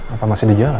apa masih di jalan